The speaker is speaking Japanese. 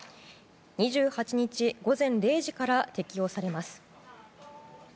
２８日、午前０時から適用されます。